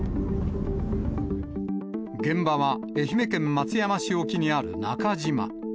現場は愛媛県松山市沖にある中島。